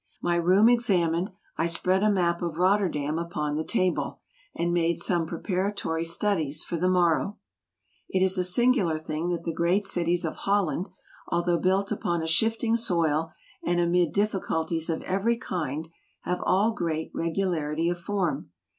My room examined, I spread a map of Rotterdam upon the table, and made some preparatory studies for the morrow. It is a singular thing that the great cities of Holland, although built upon a shifting soil, and amid difficulties of every kind, have all great regularity of form.